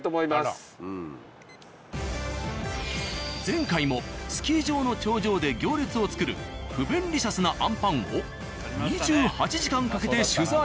前回もスキー場の頂上で行列を作る不便利シャスなあんパンを２８時間かけて取材。